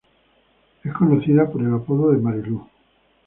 Es conocida por el apodo de "Marilú".